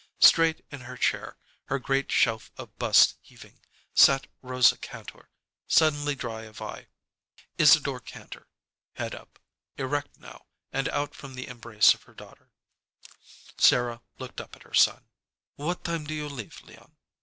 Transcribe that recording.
Straight in her chair, her great shelf of bust heaving, sat Rosa Kantor, suddenly dry of eye; Isadore Kantor head up. Erect now, and out from the embrace of her daughter, Sarah looked up at her son. "What time do you leave, Leon?"